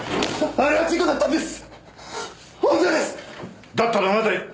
あれは事故だったんです！